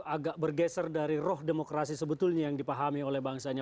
agak bergeser dari roh demokrasi sebetulnya yang dipahami oleh bangsanya